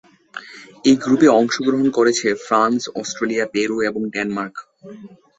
এই গ্রুপে অংশগ্রহণ করছে ফ্রান্স, অস্ট্রেলিয়া, পেরু এবং ডেনমার্ক।